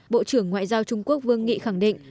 bộ trưởng ngoại giao trung quốc vương nghị khẳng định